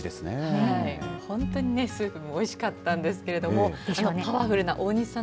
本当にねスープもおいしかったんですけれどもパワフルな大西さん